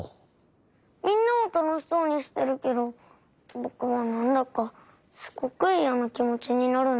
みんなはたのしそうにしてるけどぼくはなんだかすごくイヤなきもちになるんだ。